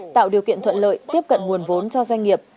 tạo điều kiện thuận lợi tiếp cận nguồn vốn cho doanh nghiệp